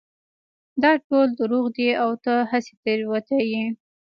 نه دا ټول دروغ دي او ته هسې تېروتي يې